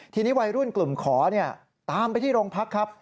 ทีนี้วัยรุ่นกลุ่มขอตามไปที่โรงพักครับ